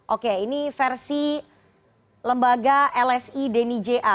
oke ini versi lembaga lsi deni ja